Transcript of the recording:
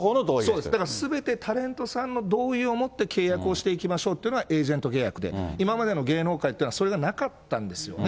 だからすべてタレントさんの同意をもって契約をしていきましょうというのが、エージェント契約で、今までの芸能界っていうのは、それがなかったんですよね。